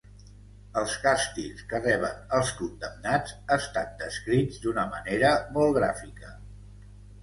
Els càstigs que reben els condemnats estan descrits d'una manera molt gràfica.